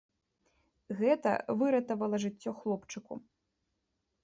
Гэта выратавала жыццё хлопчыку.